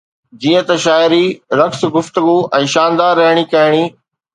جيئن ته شاعري، رقص، گفتگو ۽ شاندار رهڻي ڪهڻي